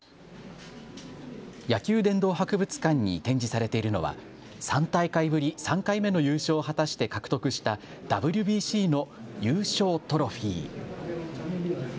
野球殿堂博物館に展示されているのは３大会ぶり３回目の優勝を果たして獲得したＷＢＣの優勝トロフィー。